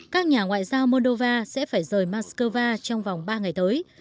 các nhà ngoại giao moldova sẽ phải rời moscow trong vòng ba ngày tới